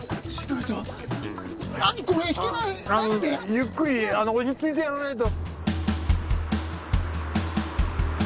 ゆっくりあの落ち着いてやらないと。